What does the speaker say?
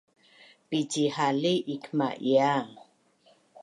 Picihali ikmaia